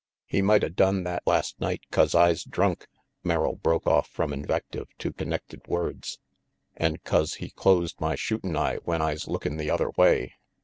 "He mighta done that last night 'cause Fs drunk," Merrill broke off from invective to connected words, "an* 'cause he closed my shootin' eye when Fs lookin' the other way.